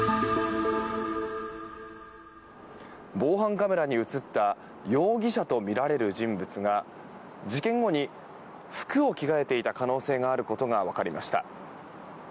防犯カメラに映った容疑者とみられる人物が事件後に服を着替えていた可能性があることがわかりました。